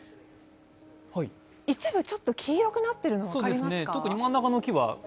一部、ちょっと黄色くなっているのは分かりますか？